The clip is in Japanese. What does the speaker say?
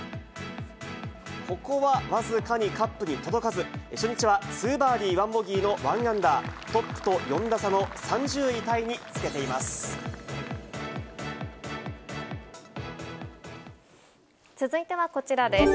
ここは僅かにカップに届かず、初日は２バーディー１ボギーの１アンダー、トップと４打差の３０続いてはこちらです。